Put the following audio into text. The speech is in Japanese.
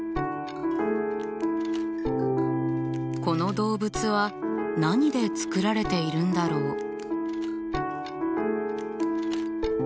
この動物は何で作られているんだろう？